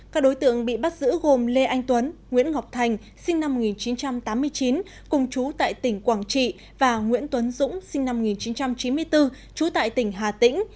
các đối tượng bị bắt giữ gồm lê anh tuấn nguyễn ngọc thành sinh năm một nghìn chín trăm tám mươi chín cùng chú tại tỉnh quảng trị và nguyễn tuấn dũng sinh năm một nghìn chín trăm chín mươi bốn trú tại tỉnh hà tĩnh